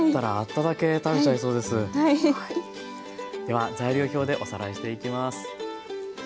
では材料表でおさらいしていきます。